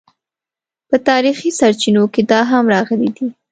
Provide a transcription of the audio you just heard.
په تاریخي سرچینو کې دا هم راغلي دي.